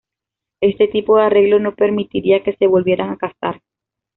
Este tipo de arreglo no permitiría que se volvieran a casar.